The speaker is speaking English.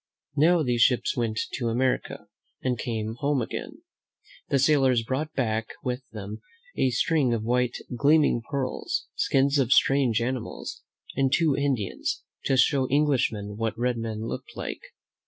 Now these ships went to America and came home again. The sailors brought back with them a string of white, gleaming pearls, skins of strange animals, and two Indians, to show Eng lishmen what red men looked like.